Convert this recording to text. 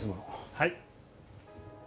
はい。